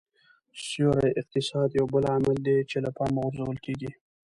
سیوري اقتصاد یو بل عامل دی چې له پامه غورځول کېږي